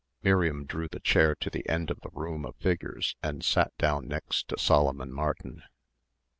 Miriam drew the chair to the end of the row of figures and sat down next to Solomon Martin.